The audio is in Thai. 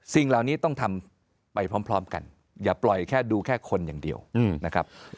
สิ่งเหล่านี้ต้องทำไปพร้อมกันอย่าปล่อยแค่ดูแค่คนอย่างเดียวนะครับ